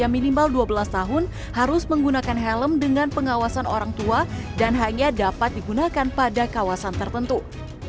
masyarakat yang mengawasi anak mereka dalam mengendarai sepeda listrik